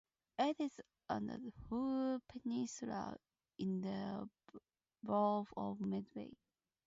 It is on the Hoo Peninsula in the borough of Medway.